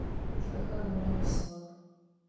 Лӏыхэр унэм исыгъэх.